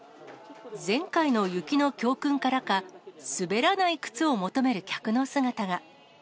前回の雪の教訓からか、滑らない靴を求める客の姿が。